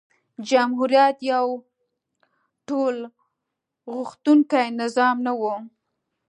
جمهوریت یو ټولغوښتونکی نظام نه و.